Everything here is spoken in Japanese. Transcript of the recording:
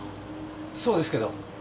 そうですけど。